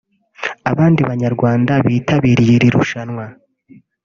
Abandi Banyarwanda bitabiriye iri rushanwa